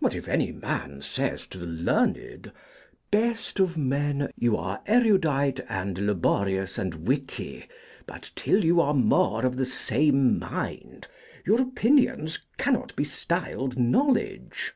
But if any man says to the learned: 'Best of men, you are erudite, and laborious and witty; but, till you are more of the same mind, your opinions cannot be styled knowledge.